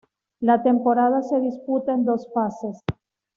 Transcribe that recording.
La temporada se disputa en dos fases.